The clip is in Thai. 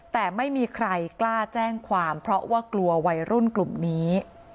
แต่ไม่มีใครกล้าแจ้งความเพราะว่ากลัววัยรุ่นกลุ่มนี้